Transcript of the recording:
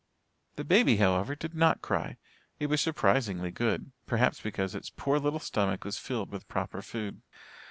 The baby, however, did not cry. It was surprisingly good perhaps because its poor little stomach was filled with proper food.